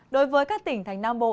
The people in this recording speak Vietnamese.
đối với các tỉnh thành nam bộ